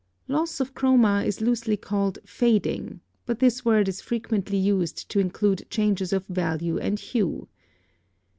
Loss of chroma is loosely called fading, but this word is frequently used to include changes of value and hue.